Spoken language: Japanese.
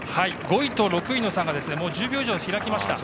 ５位と６位の差が１０秒以上開きました。